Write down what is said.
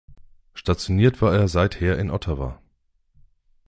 Stationiert war er seither in Ottawa.